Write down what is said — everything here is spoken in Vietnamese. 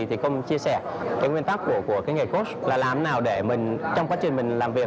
thì không chia sẻ cái nguyên tắc của cái nghề cũ là làm nào để mình trong quá trình mình làm việc